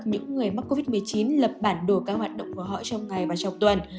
những người mắc covid một mươi chín lập bản đồ các hoạt động của họ trong ngày và trong tuần